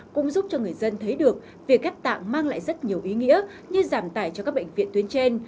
cũng giúp cho người dân thấy được việc ghép tạng mang lại rất nhiều ý nghĩa như giảm tải cho các bệnh viện tuyến trên